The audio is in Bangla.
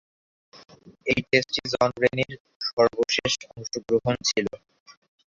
ঐ টেস্টই জন রেনি’র সর্বশেষ অংশগ্রহণ ছিল।